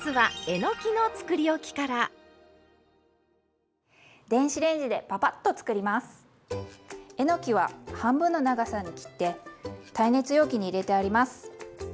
えのきは半分の長さに切って耐熱容器に入れてあります。